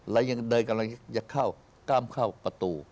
แล้วยังเดินกำลังจะเข้ากล้ามเข้าประตู